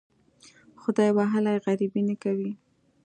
خدای وهلي غریبي نه کوي.